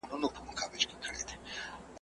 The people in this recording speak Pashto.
او ستا ژبه